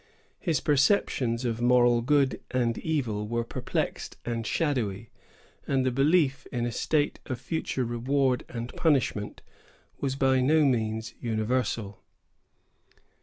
His perceptions of moral good and evil were perplexed and shadowy; and the belief in a state of future reward and punishment was by no means universal.